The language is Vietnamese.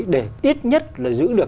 để ít nhất là giữ được